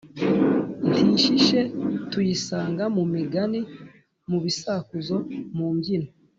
n tishishe tuyisanga mu migani, mu bisakuzo, mu mbyino,